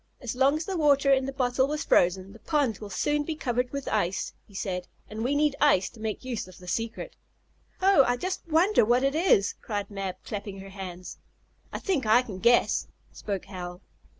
"As long as the water in the bottle was frozen, the pond will soon be covered with ice," he said. "And we need ice to make use of the secret." "Oh, I just wonder what it is?" cried Mab, clapping her hands. "I think I can guess," spoke Hal.